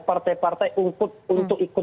partai partai untuk ikut